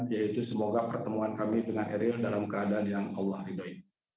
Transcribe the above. yaitu semoga pertemuan kami dengan eril dalam keadaan yang allah ridhoi